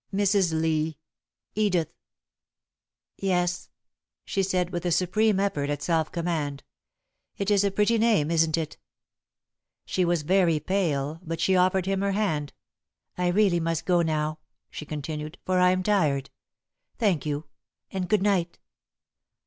"Mrs. Lee Edith!" "Yes," she said, with a supreme effort at self command, "it is a pretty name, isn't it?" She was very pale, but she offered him her hand. "I really must go now," she continued, "for I am tired. Thank you and good night."